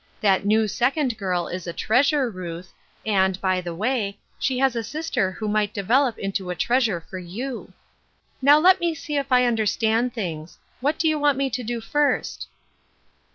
That new second girl is a treasure, Ruth, and, by the way, she has a sister who might develop into a treasure for you. 318 Ruth Erskine's Crosses, Now let me see if I understand things. What do you want to do first